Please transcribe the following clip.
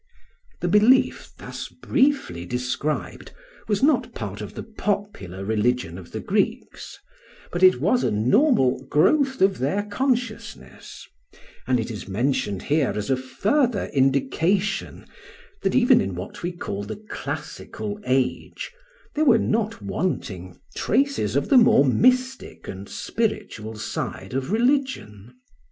The belief thus briefly described was not part of the popular religion of the Greeks, but it was a normal growth of their consciousness, and it is mentioned here as a further indication that even in what we call the classical age there were not wanting traces of the more mystic and spiritual side of religion.